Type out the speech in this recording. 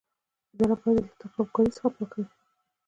اداره باید له تقلب کارۍ پاکه وي.